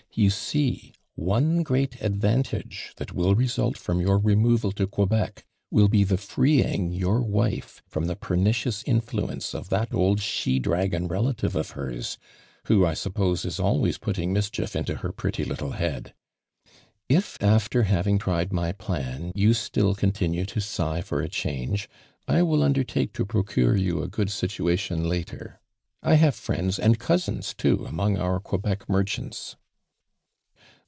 You see, one great ad' '.ntage that will result from your remov to Quebec will be the freeing your wife from the per nicious influence of that old she dragon relative of hers, who, 1 suppose, is always putting mischief into her pretty little head. If after having tried my plan, you still con tinue to sigh for a change^ I will undertake to procure you a good situation later. I lia\ J friends aad cousins too among our Quebec merchants."